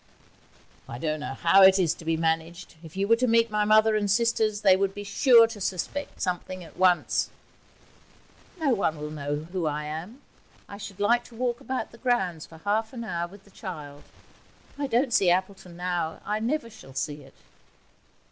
'I don't know how it is to be managed. If you were to meet my mother and sisters they would be sure to suspect something at once.' 'No one will know who I am. I should like to walk about the grounds for half an hour with the child. If I don't see Appleton now I never shall see it.'